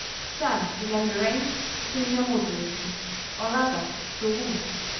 Then began the reign of the Minamoto regents, or rather shogun.